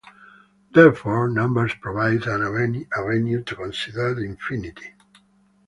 Therefore, numbers provide an avenue to consider the infinite.